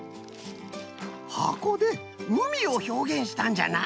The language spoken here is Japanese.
はこでうみをひょうげんしたんじゃな。